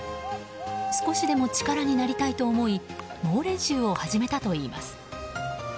少しでも力になりたいと思い猛練習を始めたといいます。